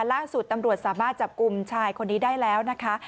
ล่าสุดตำรวจสามารถจับกลุ่มชายคนนี้ได้แล้วนะคะ